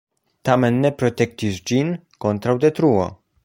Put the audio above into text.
Tamen ne protektis ĝin kontraŭ detruo.